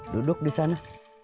duduk di sana